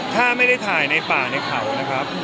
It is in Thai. ถ้าไม่ได้ถ่ายในป่าในเขานะครับ